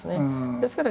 ですから